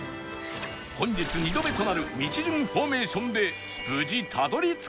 本日２度目となる道順フォーメーションで